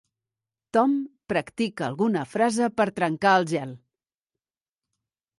Tom practica alguna frase per trencar el gel.